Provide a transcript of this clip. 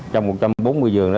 trong một trăm bốn mươi giường đó